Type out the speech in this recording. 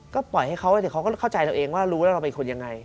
ก็ปล่อยให้เขาเขาจะเข้าใจตัวเองว่ารู้ว่าเราเป็นคนยังไง